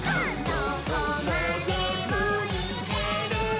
「どこまでもいけるぞ！」